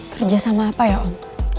kerjasama apa ya om